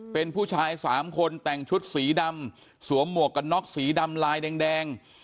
เป็นผู้ชายสามคนแต่งชุดสีดำสวมหมวกกันน็อกสีดำลายแดง